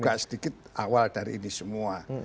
saya buka sedikit awal dari ini semua